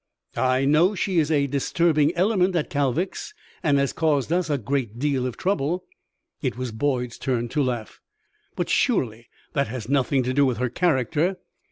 "I know she is a disturbing element at Kalviks and has caused us a great deal of trouble." It was Boyd's turn to laugh. "But surely that has nothing to do with her character."